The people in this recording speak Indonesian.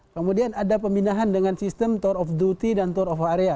kemudian ada pembinaan dengan sistem tour of duty dan tour of area